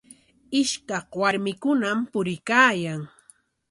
Ishkaq warmikunam puriykaayan.